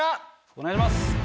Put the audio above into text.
お願いします。